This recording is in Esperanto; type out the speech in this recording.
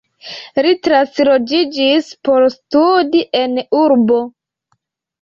Li transloĝiĝis por studi en urbo.